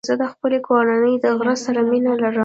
زه د خپلې کورنۍ د غړو سره مینه لرم.